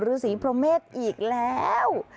รูษีโปรเมษอีกแล้ว